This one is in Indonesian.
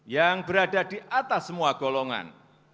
yang berada di atas semua golongan